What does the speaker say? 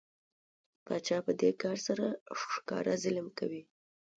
پاچا په دې کار سره ښکاره ظلم کوي.